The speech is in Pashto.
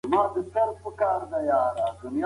د غريبو خلګو لاسنيوی وکړئ.